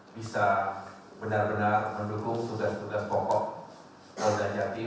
bisa benar benar mendukung tugas tugas pokok warga jatim